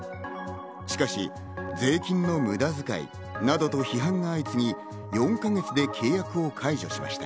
しかし税金の無駄遣いなどと批判が相次ぎ、４か月で契約を解除しました。